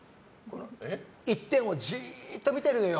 一点をじーっと見てるのよ